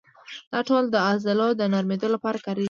دا ټول د عضلو د نرمېدو لپاره کېږي.